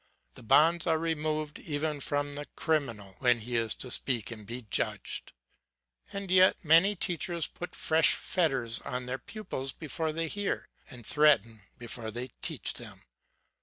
The bonds are removed even from the criminal, EECOLLECTION. 377 when he is to speak and be judged ! And yet many teachers put fresh fetters on their pupils before they hear, and threaten before they teach them.